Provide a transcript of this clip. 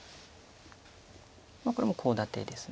これもコウ立てです。